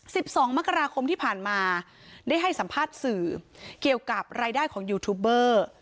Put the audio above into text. สิบสองมกราคมที่ผ่านมาได้ให้สัมภาษณ์สื่อเกี่ยวกับรายได้ของยูทูบเบอร์